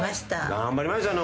頑張りましたよね